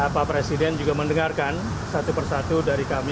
pak presiden juga mendengarkan satu persatu dari kami